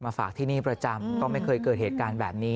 ฝากที่นี่ประจำก็ไม่เคยเกิดเหตุการณ์แบบนี้